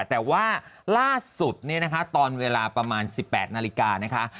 แต่ว่าล่าสุดเนี่ยนะคะตอนเวลาประมาณ๑๘นาฬิกานะคะ